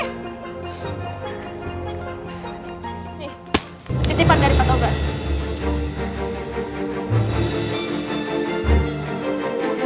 nih titipan dari patokan